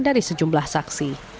dari sejumlah saksi